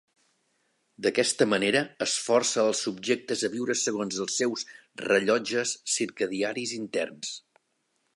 D'aquesta manera, es força els subjectes a viure segons els seus "rellotges" circadiaris interns.